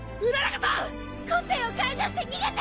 個性を解除して逃げて！